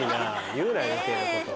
言うな余計なこと。